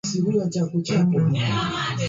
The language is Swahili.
au siyo busara kubakia na kubahatisha maisha yao